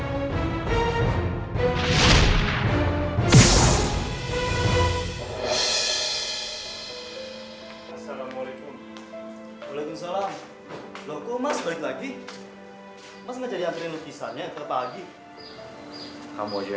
harga diri aku sendiri